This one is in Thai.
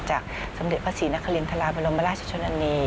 จากสมเด็จพระศรีนครินทราบรมราชชนนานี